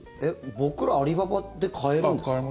僕ら、アリババって買えるんですか？